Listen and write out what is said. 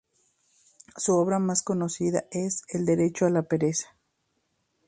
Su obra más conocida es "El derecho a la pereza".